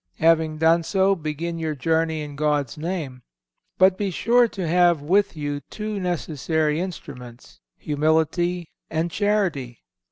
Having done so begin your journey in God's name; but be sure to have with you two necessary instruments, Humility and Charity.